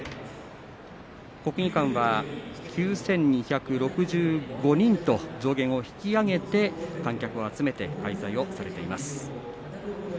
国技館は９２６５人と上限を引き上げて観客を集めて開催されています。